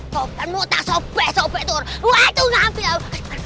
sopan mu tak sopek sopek tuh waktu ngapil